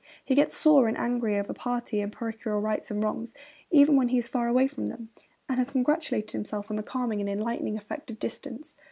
He gets sore and angry over party and parochial rights and wrongs, even when he is far away from them, and has congratulated himself on the calming and enlightening effect of distance.